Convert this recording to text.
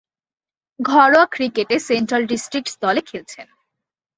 ঘরোয়া ক্রিকেটে Central Districts দলে খেলছেন।